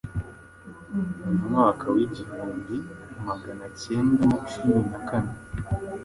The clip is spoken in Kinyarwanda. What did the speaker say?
Mu mwaka wa igihumbi Magana acyenda na cumu na kane